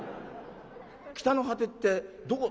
北の果てってどこ？